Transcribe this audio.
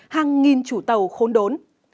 hàng nghìn chủ tàu khốn đốn